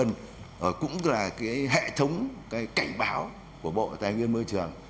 nó cũng là cái hệ thống cái cảnh báo của bộ tài nguyên môi trường